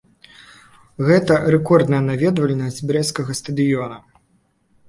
Гэта рэкордная наведвальнасць брэсцкага стадыёна.